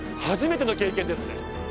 初めての経験ですね。